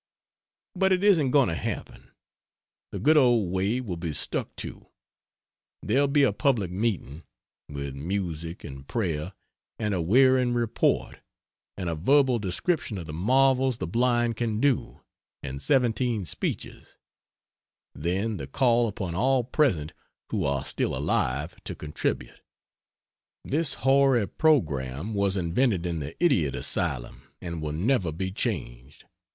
But it isn't going to happen the good old way will be stuck to: there'll be a public meeting: with music, and prayer, and a wearying report, and a verbal description of the marvels the blind can do, and 17 speeches then the call upon all present who are still alive, to contribute. This hoary program was invented in the idiot asylum, and will never be changed.